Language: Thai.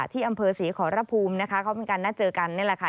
ที่อำเภอศรีขอรภูมินะคะเขามีการนัดเจอกันนี่แหละค่ะ